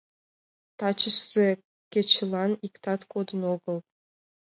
Тачысе кечылан иктат кодын огыл.